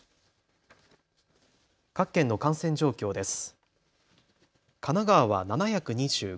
各県の感染状況です。